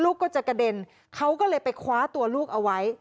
ลูกก็จะกระเด็นเขาก็เลยไปคว้าตัวลูกเอาไว้